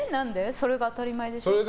それが当たり前でしょ。